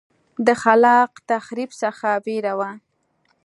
د خلاق تخریب څخه وېره وه.